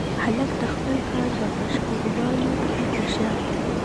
هلک د خپل کار په بشپړولو کې هوښیار دی.